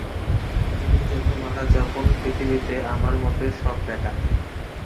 যিনি যত মালা জপুন পৃথিবীতে আমার মতোই সব বেটা।